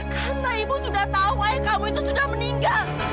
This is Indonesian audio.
karena ibu sudah tahu ayah kamu itu sudah meninggal